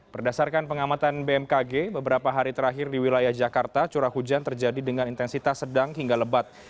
berdasarkan pengamatan bmkg beberapa hari terakhir di wilayah jakarta curah hujan terjadi dengan intensitas sedang hingga lebat